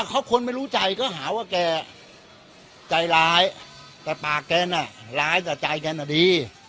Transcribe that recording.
เขาคนไม่รู้ใจก็หาว่าแกใจร้ายแต่ปากแกน่ะร้ายแต่ใจแกน่ะดี